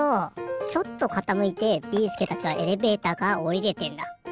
ちょっとかたむいてビーすけたちはエレベーターからおりれてんだ。